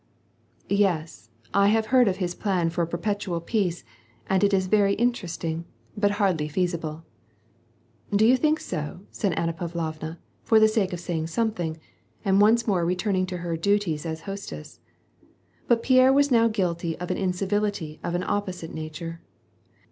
^' Yes, I have heard of his plan for a perpetual peace, and it is veiy interesting, but hardly feasible.'^ '^ Do you think so ?" said Anna Pavlovna, for the sake of saying something, and once more returning to her duties as hostess ; but Pierre now was guilty of an incivility of an op posite nature.